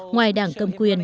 ngoài đảng cầm quyền